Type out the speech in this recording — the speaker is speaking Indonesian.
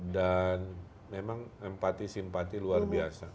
dan memang empati simpati luar biasa